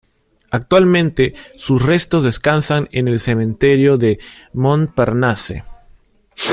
Actualmente sus restos descansan en el cementerio de Montparnasse.